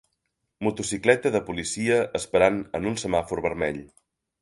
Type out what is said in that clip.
Motocicleta de policia esperant en un semàfor vermell.